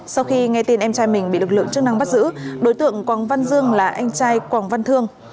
sau khi nghe tin em trai mình bị lực lượng chức năng bắt giữ đối tượng quảng văn dương là anh trai quảng văn thương